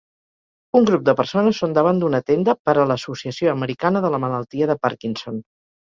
Un grup de persones són davant d'una tenda per a l'Associació Americana de la Malaltia de Parkinson.